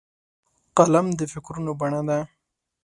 قلم د فکرونو بڼه ده